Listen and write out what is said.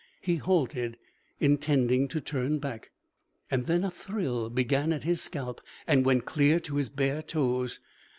He halted, intending to turn back. Then a thrill began at his scalp and went clear to his bare toes.